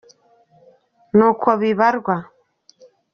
nuko bibarwa